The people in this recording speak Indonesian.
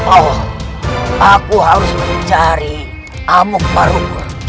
oh aku harus mencari amuk barumu